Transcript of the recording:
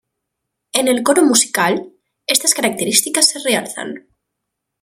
En el coro musical, estas características se realzan.